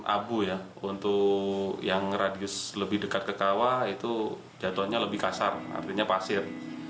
abu ya untuk yang radius lebih dekat ke kawah itu jatuhnya lebih kasar artinya pasir